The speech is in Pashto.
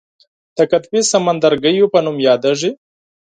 د قطبي سمندرګیو په نوم یادیږي.